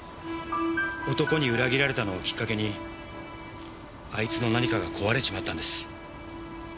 男に裏切られたのをきっかけにあいつの何かが壊れちまったんです。